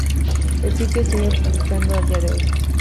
El sitio sigue publicando al día de hoy.